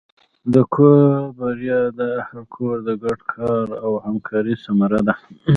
د کور بریا د اهلِ کور د ګډ کار او همکارۍ ثمره ده.